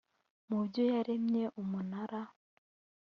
mu byo yaremye umunara